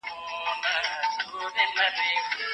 هغه په ډېرې سادګۍ د ژوند پېچلي فلسفه بیانولای شوه.